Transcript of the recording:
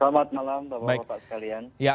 selamat malam bapak bapak sekalian